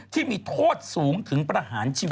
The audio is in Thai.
ที่มีโทษสูงถึงประหารชีวิต